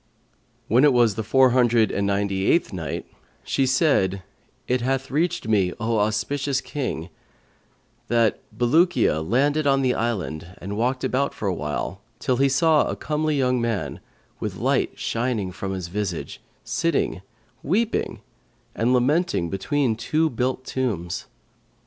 When it was the Four Hundred and Ninety eighth Night, She said, It hath reached me, O auspicious King, that "Bulukiya landed on the island and walked about for a while, till he saw a comely young man with light shining from his visage, sitting weeping and lamenting between two built tombs.